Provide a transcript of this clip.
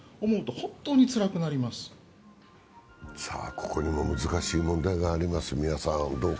ここにも難しい問題があります。